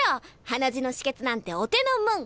鼻血の止血なんてお手のもん。